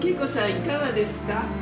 いかがですか？